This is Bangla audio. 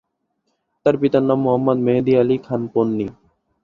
তার পিতার নাম মোহাম্মদ মেহেদী আলী খান পন্নী।